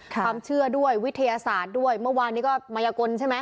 ความเชื่อด้วยวิทยาศาสตร์ด้วยเมื่อวานนี้ก็มายกลใช่ไหม